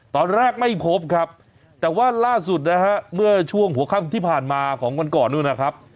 ตอนแรกไม่พบครับแต่ว่าล่าสุดนะฮะเมื่อช่วงหัวค่ำที่ผ่านมาของวันก่อนนู้นนะครับ